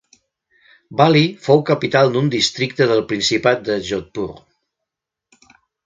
Bali fou capital d'un districte del principat de Jodhpur.